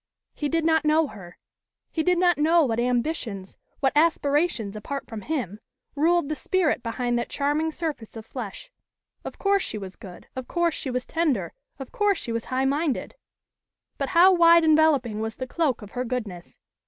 He did not know her. He did not know what ambitions, what aspirations apart from him, ruled the spirit behind that charming surface of flesh. Of course she was good, of course she was tender, of course she was high minded! But how wide enveloping was the cloak of her goodness?